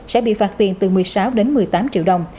sẽ bị phạt tiền từ một mươi sáu triệu đồng